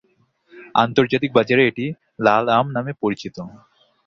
আন্তর্জাতিক বাজারে এটি ‘লাল আম’ নামে পরিচিত।